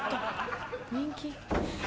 人気。